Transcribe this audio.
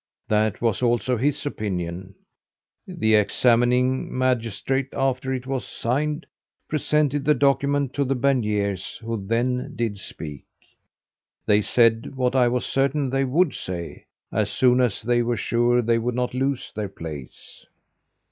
That was also his opinion. The examining magistrate, after it was signed, presented the document to the Berniers, who then did speak. They said, what I was certain they would say, as soon as they were sure they would not lose their place.